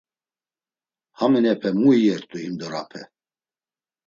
Haninepe mu iyert̆u himdorape?